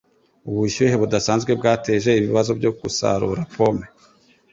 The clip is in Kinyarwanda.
Ubushyuhe budasanzwe bwateje ibibazo byo gusarura pome